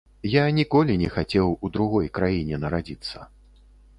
Я ніколі не хацеў у другой краіне нарадзіцца.